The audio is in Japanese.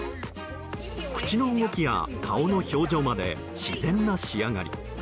口の動きや顔の表情まで自然な仕上がり。